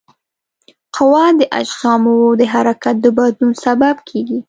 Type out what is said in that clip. قوه د اجسامو د حرکت د بدلون سبب کیږي.